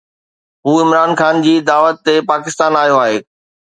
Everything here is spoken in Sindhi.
هو عمران خان جي دعوت تي پاڪستان آيو هو.